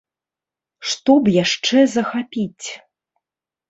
Што б яшчэ захапіць?